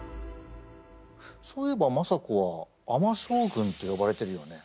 そういえば政子は尼将軍って呼ばれてるよね。